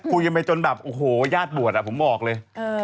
คุยกันไปจนแบบโอ้โหญาติบวชผมบอกเลย